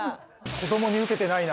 子どもにウケてないな。